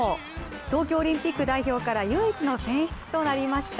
東京オリンピック代表から唯一の選出となりました。